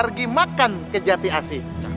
bargimakan kejati asih